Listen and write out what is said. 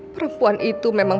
perempuan itu memang